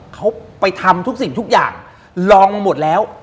เขาไปทำทุกสิ่งทุกอย่างลองมาหมดแล้ว